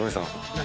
何？